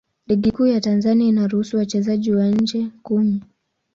Ligi Kuu ya Tanzania inaruhusu wachezaji wa nje kumi.